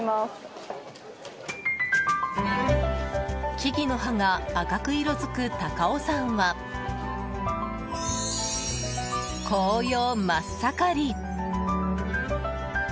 木々の葉が赤く色づく高尾山は紅葉真っ盛り。